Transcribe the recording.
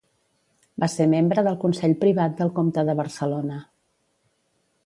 Va ser membre del consell privat del comte de Barcelona.